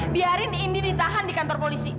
biarin indi ditahan di kantor polisi